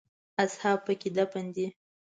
اصحاب په کې دفن دي.